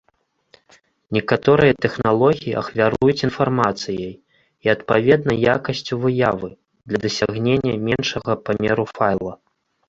Некаторыя тэхналогіі ахвяруюць інфармацыяй і, адпаведна, якасцю выявы для дасягнення меншага памеру файла.